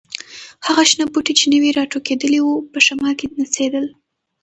هغه شنه بوټي چې نوي راټوکېدلي وو، په شمال کې نڅېدل.